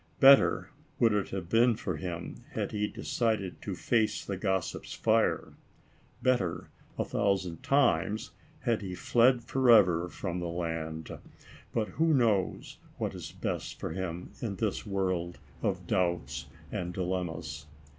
Better would it have been for him, had he de cided to face the gossips' fire. Better a thousand times, had he fled forever from the land. But who ever knows what is best for him, in this world of doubts and dilemmas